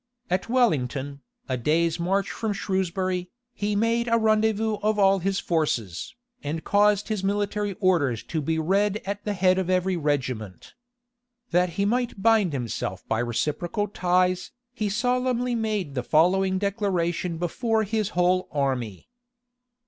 At Wellington, a day's march from Shrewsbury, he made a rendezvous of all his forces, and caused his military orders to be read at the head of every regiment. That he might bind himself by reciprocal ties, he solemnly made the following declaration before his whole army.